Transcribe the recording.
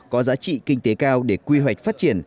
có giá trị kinh tế cao để quy hoạch phát triển